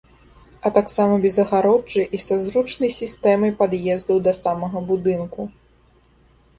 А таксама без агароджы і са зручнай сістэмай пад'ездаў да самага будынку.